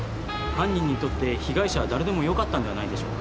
犯人にとって被害者はだれでもよかったんではないでしょうか。